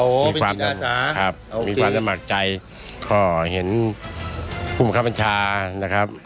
โอ้เป็นจิตอสาครับมีความรับหมากใจขอเห็นคุณบังคับอัญชานะครับ